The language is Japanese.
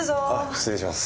失礼します。